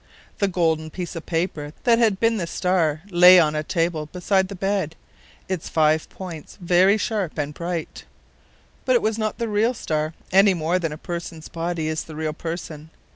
The golden piece of paper that had been the star lay on a table beside the bed, its five points very sharp and bright. But it was not the real star, any more than a person's body is the real person.